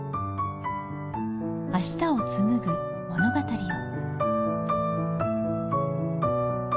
明日をつむぐ物語を。